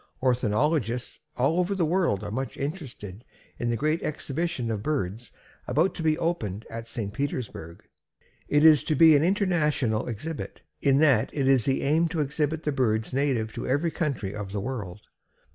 Ornithologists all over the world are much interested in the great exhibition of birds about to be opened at St. Petersburg. It is to be an international exhibition, in that it is the aim to exhibit the birds native to every country of the world.